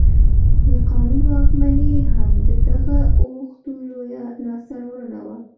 د قانون واکمني هم د دغه اوښتون لویه لاسته راوړنه وه.